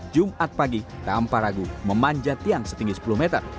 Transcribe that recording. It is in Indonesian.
jumat pagi tanpa ragu memanjat tiang setinggi sepuluh meter